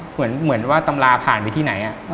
เหมือนว่าตำราผ่านไปที่ไหน